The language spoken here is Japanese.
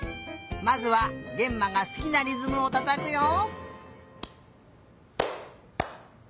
まずはげんまがすきなりずむをたたくよ。